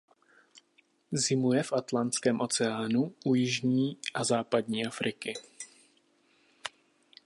Zimuje v Atlantském oceánu u jižní a západní Afriky.